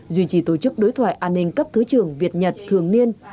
duy trì tổ chức đối thoại an ninh cấp thứ trưởng việt nhật thường niên